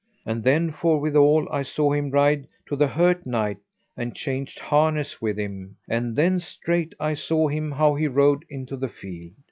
And then forthwithal I saw him ride to the hurt knight, and changed harness with him, and then straight I saw him how he rode into the field.